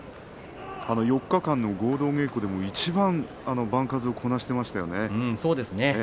４日間の合同稽古でもいちばん番数をこなしていましたね。